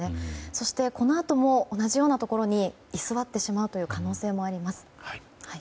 そして、このあとも同じようなところに居座ってしまう可能性もあります。